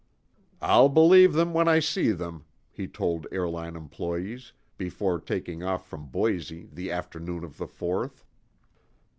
"I'll believe them when I see them," he told airline employees, before taking off from Boise the afternoon of the Fourth.